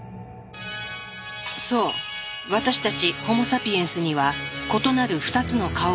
そう私たちホモ・サピエンスには異なる２つの顔がある。